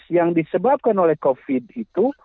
yang disebabkan oleh covid itu